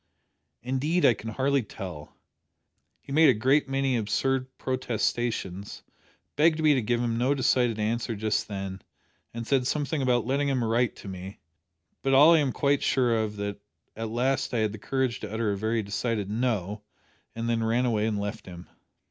"Indeed I can hardly tell. He made a great many absurd protestations, begged me to give him no decided answer just then, and said something about letting him write to me, but all I am quite sure of is that at last I had the courage to utter a very decided No, and then ran away and left him."